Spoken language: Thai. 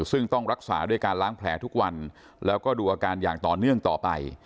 ซึ่งต้องรักษาด้วยการล้างแผลทุกวันแล้วก็ดูอาการอย่างต่อเนื่องต่อไป